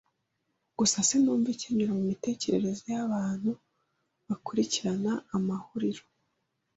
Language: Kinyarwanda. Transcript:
Gusa sinumva ikinyura mumitekerereze yabantu bakurikirana amahuriro.